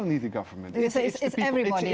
bukan hanya pemerintah